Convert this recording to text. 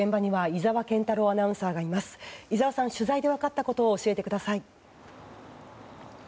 井澤さん、取材で分かったことを教えてください。